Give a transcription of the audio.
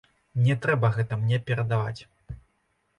Не трэба гэта мне перадаваць.